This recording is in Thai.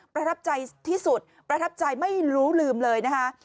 ประทับใจที่สุดประทับใจไม่รู้ลืมเลยนะคะ